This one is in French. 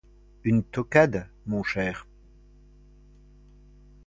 Une toquade, mon cher!